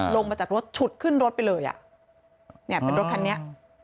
ลงมาจากรถฉุดขึ้นรถไปเลยอ่ะเนี่ยเป็นรถคันนี้